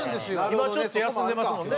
今ちょっと休んでますもんね。